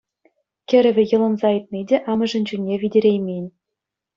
Кӗрӗвӗ йӑлӑнса ыйтни те амӑшӗн чунне витереймен.